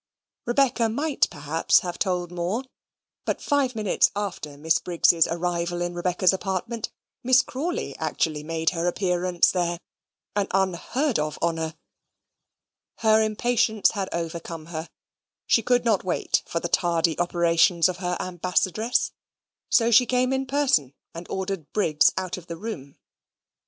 Rebecca might, perhaps, have told more: but five minutes after Miss Briggs's arrival in Rebecca's apartment, Miss Crawley actually made her appearance there an unheard of honour her impatience had overcome her; she could not wait for the tardy operations of her ambassadress: so she came in person, and ordered Briggs out of the room.